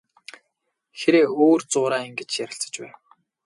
Хэрээ өөр зуураа ингэж ярилцаж байна.